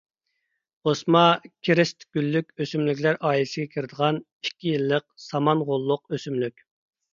ئوسما -- كىرېست گۈللۈك ئۆسۈملۈكلەر ئائىلىسىگە كىرىدىغان، ئىككى يىللىق سامان غوللۇق ئۆسۈملۈك.